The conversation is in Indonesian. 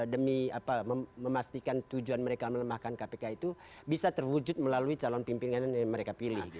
demi memastikan tujuan mereka melemahkan kpk itu bisa terwujud melalui calon pimpinan yang mereka pilih